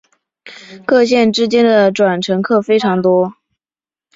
各线之间的转乘客非常多。